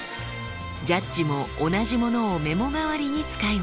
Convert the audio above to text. ジャッジも同じものをメモ代わりに使います。